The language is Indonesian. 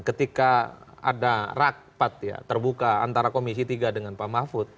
ketika ada rapat ya terbuka antara komisi tiga dengan pak mahfud